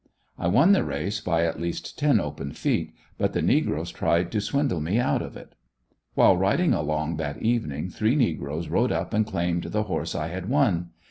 I won the race by at least ten open feet, but the negroes tried to swindle me out of it. While riding along that evening three negroes rode up and claimed the horse I had won.